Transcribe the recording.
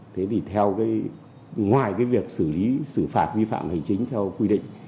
thế thì ngoài cái việc xử lý xử phạt vi phạm hành chính theo quy định